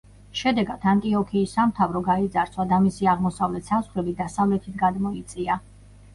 შედეგად ანტიოქიის სამთავრო გაიძარცვა და მისი აღმოსავლეთ საზღვრები დასავლეთით გადმოიწია.